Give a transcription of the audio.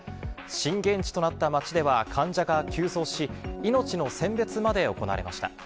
震源地となった町では患者が急増し、命の選別まで行われました。